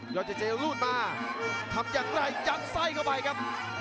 เจเจรูดมาทำอย่างไรยัดไส้เข้าไปครับ